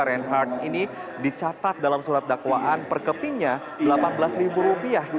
reinhardt ini dicatat dalam surat dakwaan perkepingnya delapan belas ribu rupiah